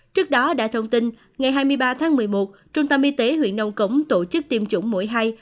trước đó đã thông tin ngày hai mươi ba tháng một mươi một trung tâm y tế huyện nông cống tổ chức tiêm chủng mũi hai